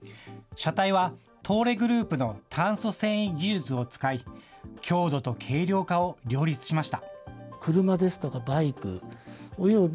車体は、東レグループの炭素繊維技術を使い、強度と軽量化を両立しました。